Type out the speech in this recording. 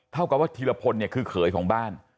เท่ากับว่าธีรพลเนี่ยคือเขยของบ้าน